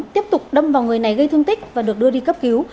tiếp tục đâm vào người này gây thương tích và được đưa đi cấp cứu